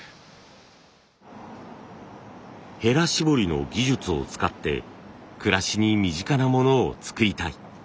ヘラ絞りの技術を使って暮らしに身近なものを作りたい。